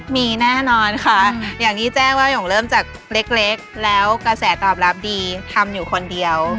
มีแน่นอนค่ะอย่างที่แจ้งว่าหย่งเริ่มจากเล็กแล้วกระแสตอบรับดีทำอยู่คนเดียว